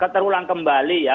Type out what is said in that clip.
terulang kembali ya